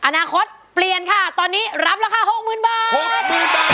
อนาคตเปลี่ยนค่ะตอนนี้รับราคา๖๐๐๐บาท